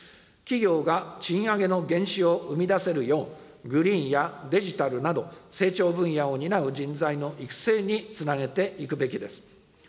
企業が賃上げの原資を生み出せるよう、グリーンやデジタルなど、成長分野を担う人材の育成につなげていくべきです。